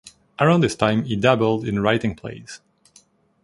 Around this time he dabbled in writing plays.